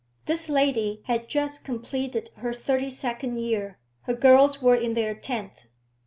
This lady had just completed her thirty second year; her girls were in their tenth.